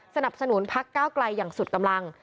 สนับสนุนพักก้าวไกลอย่างสุดกำลัง